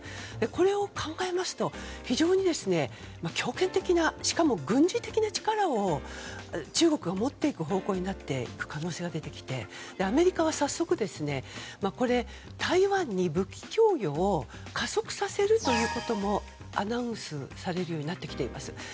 これを考えますと非常に強権的なしかも軍事的な力を、中国が持っていく方向になっていく可能性が出てきてアメリカは早速台湾に武器供与を加速させることもアナウンスされるようになってきています。